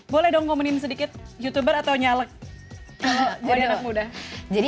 boleh dong ngomongin sedikit youtuber atau caleg buat anak muda